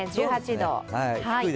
１８度。